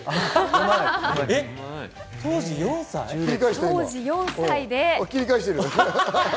当時４歳です。